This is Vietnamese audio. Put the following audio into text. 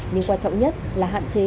nhưng quan trọng nhất là hạn chế